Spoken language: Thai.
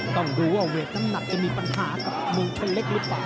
ต้องดูว่าเวทน้ำหนักจะมีปัญหากับเมืองชนเล็กหรือเปล่า